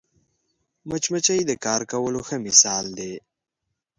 مچمچۍ د کار کولو ښه مثال دی